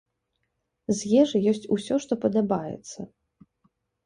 З ежы есць усё, што падабаецца.